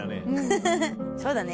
そうだね